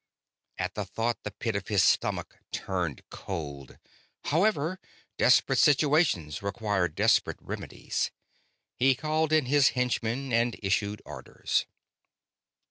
At the thought the pit of his stomach turned cold. However, desperate situations require desperate remedies. He called in his henchmen and issued orders.